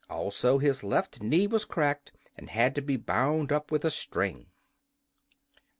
Also his left knee was cracked, and had to be bound up with a string.